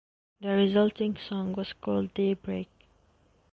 The resulting song was called "Daybreak".